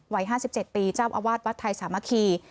วัย๕๗ปีเจ้าอาวาสวัดไทยสามัคคี